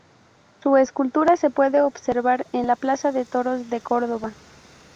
Su escultura se puede observar en la plaza de toros de Córdoba.